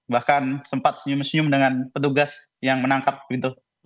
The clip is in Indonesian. bahkan sempat senyum senyum dengan petugas yang menangkap gitu